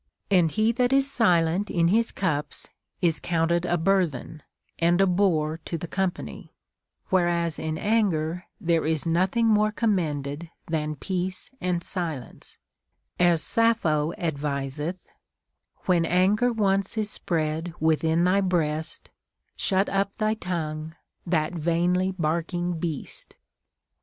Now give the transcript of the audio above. And he that is silent in his cups is counted a burthen, and a bore to the company, whereas in anger there is nothing more commended than peace and silence ; as Sappho adviseth, — Wlien anger once 13 spread within thy breast, Shut up thy tongue, that vainly barking beast.